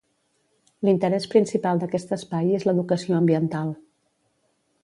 L'interès principal d'aquest espai és l'educació ambiental.